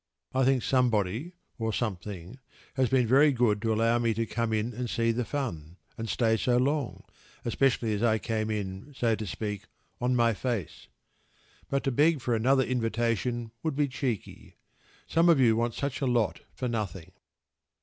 I think somebody, or something, has been very good to allow me to come in and see the fun, and stay so long, especially as I came in, so to speak "on my face." But to beg for another invitation would be cheeky. Some of you want such a lot for nothing.